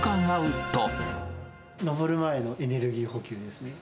登る前のエネルギー補給ですね。